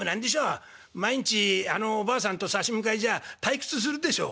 毎日あのおばあさんと差し向かいじゃ退屈するでしょ」。